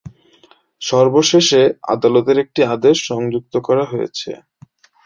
সর্বশেষে আদালতের একটি আদেশ সংযুক্ত করা হয়েছে।